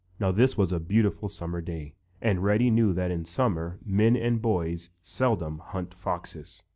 Now this was a beautiful summer day and Reddy knew that in summer men and boys seldom hunt foxes.